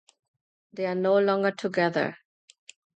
They are no longer together.